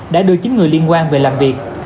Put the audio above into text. đã đưa chín người liên quan về làm việc